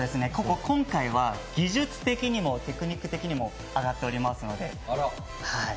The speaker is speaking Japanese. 今回は技術的にもテクニック的にも上がっておりますので。